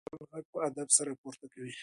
دی خپل غږ په ادب سره پورته کوي.